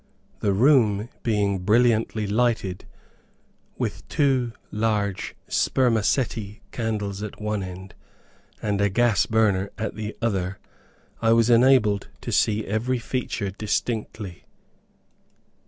The room being brilliantly lighted with two large spermaceti candles at one end, and a gas burner at the other, I was enabled to see every feature distinctly.